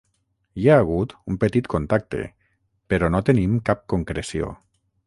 Hi ha hagut un petit contacte però no tenim cap concreció.